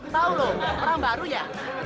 tahu loh perang baru ya